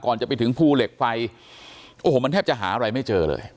จะไปถึงภูเหล็กไฟโอ้โหมันแทบจะหาอะไรไม่เจอเลย